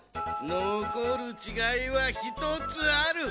のこるちがいはひとつある。